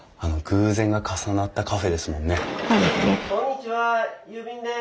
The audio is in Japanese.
・こんにちは郵便です！